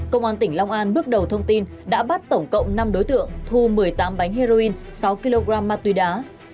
công an tỉnh long an bước đầu thông tin đã bắt tổng cộng năm đối tượng thu một mươi tám bánh heroin sáu kg ma túy đá